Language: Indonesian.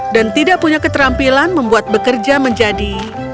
dan tidak punya keterampilan membuat bekerja menjadi